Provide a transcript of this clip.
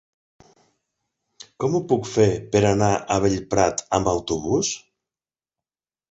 Com ho puc fer per anar a Bellprat amb autobús?